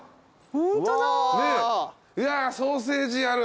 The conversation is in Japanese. うわソーセージある。